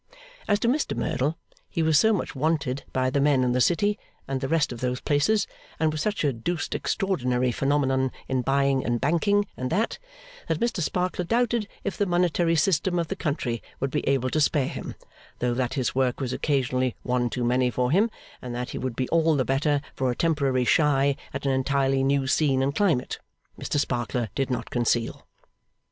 As to Mr Merdle, he was so much wanted by the men in the City and the rest of those places, and was such a doosed extraordinary phenomenon in Buying and Banking and that, that Mr Sparkler doubted if the monetary system of the country would be able to spare him; though that his work was occasionally one too many for him, and that he would be all the better for a temporary shy at an entirely new scene and climate, Mr Sparkler did not conceal.